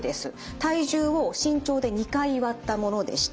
体重を身長で２回割ったものでして。